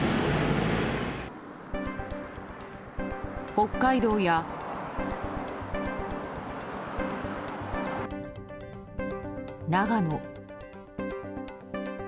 北海道や長野。